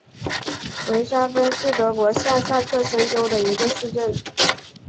维沙芬是德国下萨克森州的一个市镇。